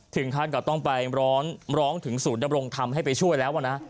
ถึงท่านก็ต้องไปร้อนร้องถึงสูตรดำรงทำให้ไปช่วยแล้วนะ